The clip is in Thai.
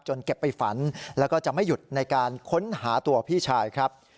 เก็บไปฝันแล้วก็จะไม่หยุดในการค้นหาตัวพี่ชายครับ